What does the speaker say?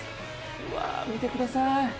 うわ見てください。